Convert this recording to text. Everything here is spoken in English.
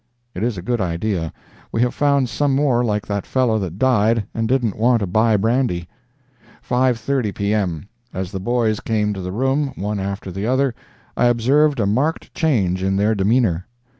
It is a good idea—we have found some more like that fellow that died and didn't want to buy brandy." "5:30 P.M.—As the boys came to the room, one after the other, I observed a marked change in their demeanor.